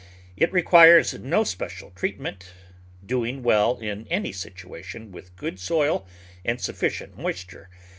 It requires no special treat ment, doing well in any situation with good soil and sufficient moisture.